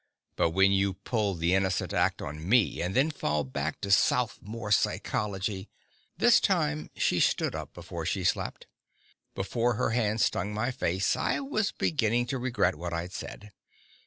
But when you pull the innocent act on me, and then fall back to sophomore psychology " This time she stood up before she slapped. Before her hand stung my face, I was beginning to regret what I'd said.